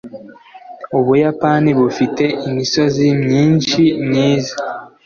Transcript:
ubuyapani bufite imisozi myinshi myiza